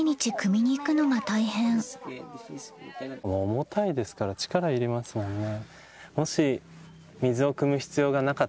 重たいですから力いりますもんね。